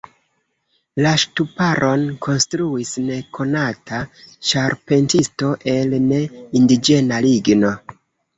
La ŝtuparon konstruis nekonata ĉarpentisto el ne-indiĝena ligno.